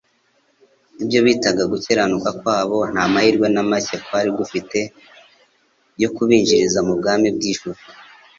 Ibyo bitaga gukiranuka kwabo, nta mahirwe na make kwari gufite yo kubinjiza mu bwami bw'ijuru.